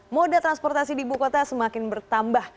moda transportasi di ibu kota semakin bertambah